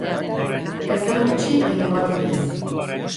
Ezer gutxi edo bat ere ez.